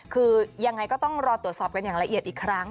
คือยังไงก็ต้องรอตรวจสอบกันอย่างละเอียดอีกครั้ง